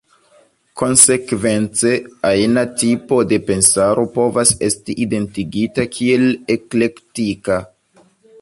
Konsekvence, ajna tipo de pensaro povas esti identigita kiel eklektika.